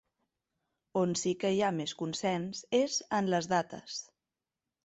On sí que hi ha més consens és en les dates.